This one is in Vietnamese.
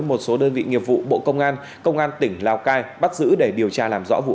một số đơn vị nghiệp vụ bộ công an công an tỉnh lào cai bắt giữ để điều tra làm rõ vụ